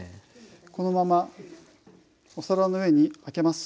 このままお皿の上にあけます。